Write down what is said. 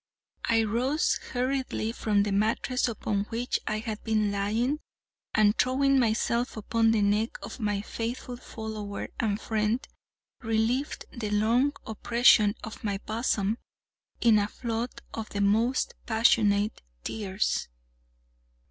I rose hurriedly from the mattress upon which I had been lying, and, throwing myself upon the neck of my faithful follower and friend, relieved the long oppression of my bosom in a flood of the most passionate tears.